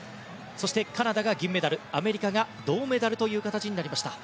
そして、カナダが銀メダルアメリカが銅メダルという形になりました。